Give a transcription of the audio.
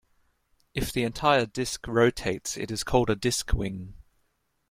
If the entire disc rotates it is called a "disc wing".